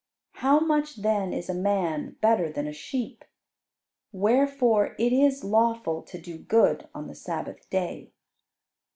"How much then is a man better than a sheep? Wherefore it is lawful to do good on the Sabbath day."